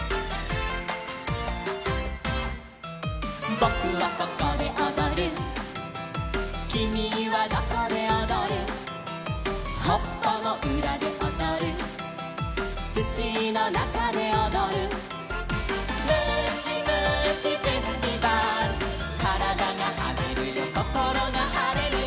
「ぼくはここでおどる」「きみはどこでおどる」「はっぱのうらでおどる」「つちのなかでおどる」「むしむしフェスティバル」「からだがはねるよこころがはれるよ」